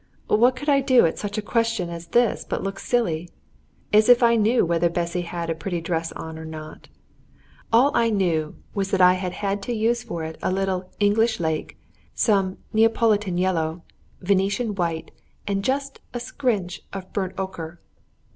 What could I do at such a question as this but look silly? As if I knew whether Bessy had had a pretty dress on or not! All I knew was that I had had to use for it a little "English lake," some "Neapolitan yellow," "Venetian white," and just a scrinch of "burnt ochre."